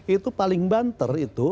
itu paling banter itu